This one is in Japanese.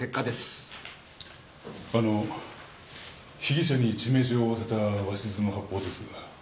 あの被疑者に致命傷を負わせた鷲頭の発砲ですが。